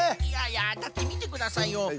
いやいやだってみてくださいよ。